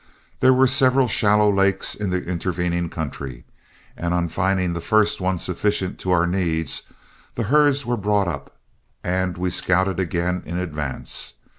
There were several shallow lakes in the intervening country, and on finding the first one sufficient to our needs, the herds were brought up, and we scouted again in advance.